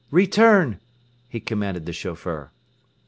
... Return!" he commanded the chauffeur.